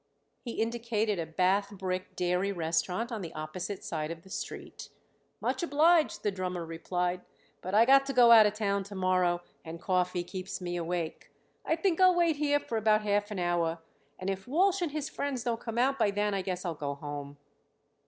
He indicated a bathbrick dairy restaurant on the opposite side of the street. "Much obliged," the drummer replied, "but I got to go out of town to morrow, and coffee keeps me awake. I think I'll wait here for about half an hour, and if Walsh and his friends don't come out by then I guess I'll go home."